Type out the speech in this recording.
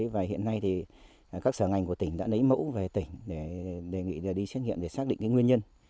và hiện nay thì các sở ngành của tỉnh đã lấy mẫu về tỉnh để đề nghị đi xét nghiệm để xác định nguyên nhân